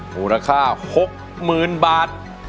มูลค่า๖๐๐๐๐บาท